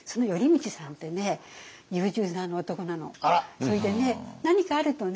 それでね何かあるとね